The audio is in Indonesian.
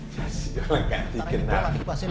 ya sih orang kan dikenal